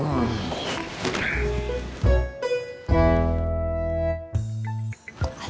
ma mau berangkat